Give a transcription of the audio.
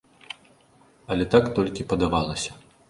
Але так толькі падавалася.